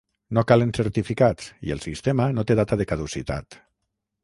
No calen certificats i el sistema no té data de caducitat.